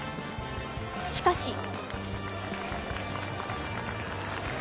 しかし。